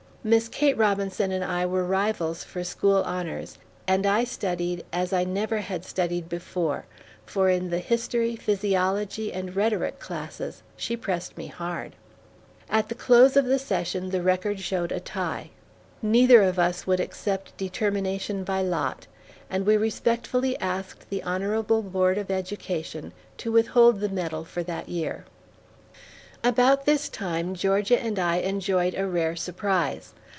Miss Kate Robinson and I were rivals for school honors, and I studied as I never had studied before, for in the history, physiology, and rhetoric classes, she pressed me hard. At the close of the session the record showed a tie. Neither of us would accept determination by lot, and we respectfully asked the Honorable Board of Education to withhold the medal for that year. About this time Georgia and I enjoyed a rare surprise.